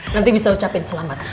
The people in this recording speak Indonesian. nanti bisa ucapin selamat